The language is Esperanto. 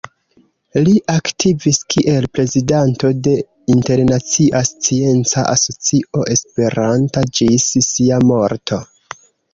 Li aktivis kiel prezidanto de Internacia Scienca Asocio Esperanta ĝis sia morto.